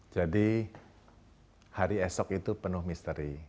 jadi hari esok itu penuh misteri